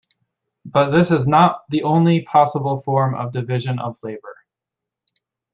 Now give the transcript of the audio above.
But this is not the only possible form of division of labor.